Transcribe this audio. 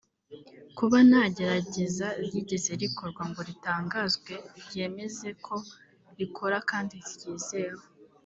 kuba nta gerageza ryigeze rikorwa ngo ritangazwe ryemeze ko rikora kandi ryizewe